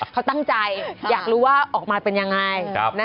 เขาตั้งใจอยากรู้ว่าออกมาเป็นยังไง